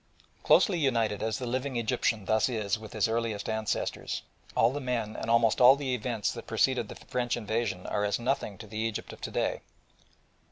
Closely united as the living Egyptian thus is with his earliest ancestors, all the men and almost all the events that preceded the French invasion are as nothing to the Egypt of to day.